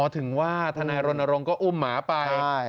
ถึงว่าทนายรณรงค์ก็อุ้มหมาไป